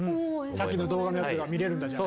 さっきの動画のやつが見れるんだじゃあ。